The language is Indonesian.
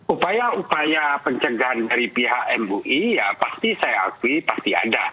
upaya upaya pencegahan dari pihak mui ya pasti saya akui pasti ada